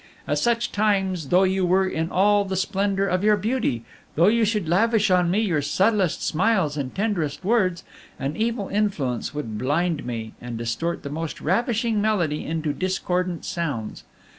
At such times, though you were in all the splendor of your beauty, though you should lavish on me your subtlest smiles and tenderest words, an evil influence would blind me, and distort the most ravishing melody into discordant sounds.